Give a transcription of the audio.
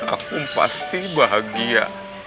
aku pasti bahagia